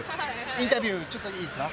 インタビューちょっとだけいいですか？